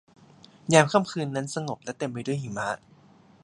ยามค่ำคืนนั้นสงบและเต็มไปด้วยหิมะ